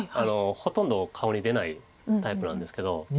ほとんど顔に出ないタイプなんですけど。